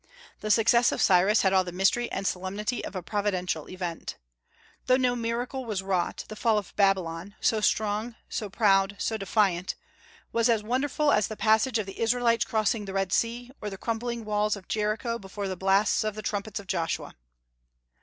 The success of Cyrus had all the mystery and solemnity of a Providential event. Though no miracle was wrought, the fall of Babylon so strong, so proud, so defiant was as wonderful as the passage of the Israelites across the Red Sea, or the crumbling walls of Jericho before the blasts of the trumpets of Joshua.